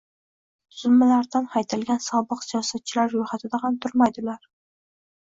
tuzilmalaridan haydalgan sobiq siyosatchilar ro‘yxatida ham turmaydi. Ular